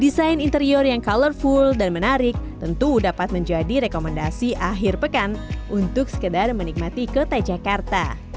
desain interior yang colorful dan menarik tentu dapat menjadi rekomendasi akhir pekan untuk sekedar menikmati kota jakarta